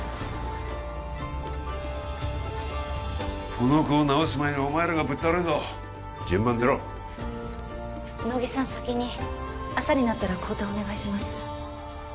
この子を治す前にお前らがぶっ倒れるぞ順番に寝ろ乃木さん先に朝になったら交代お願いします